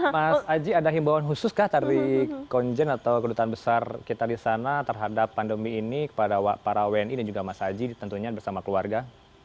mas aji ada himbauan khusus kah dari konjen atau kedutaan besar kita di sana terhadap pandemi ini kepada para wni dan juga mas aji tentunya bersama keluarga